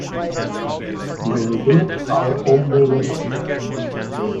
We'll do it our own way later.